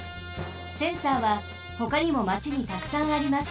センサーはほかにもまちにたくさんあります。